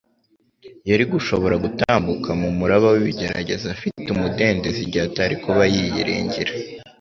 Yari gushobora gutambuka mu muraba w'ibigeragezo afite umudendezo igihe atari kuba yiyiringira,